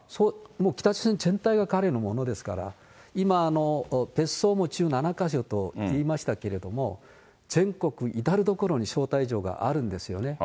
北朝鮮全体が彼のものですから、今、別荘も１７か所と言いましたけれども、全国至る所に招待所があるんですよね。